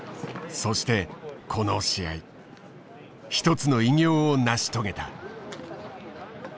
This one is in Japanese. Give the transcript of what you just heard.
そしてこの試合１つの偉業を成し遂げた。